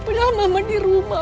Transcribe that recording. padahal mama dirumah